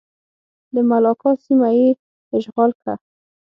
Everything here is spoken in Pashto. د ملاکا سیمه یې اشغال کړه.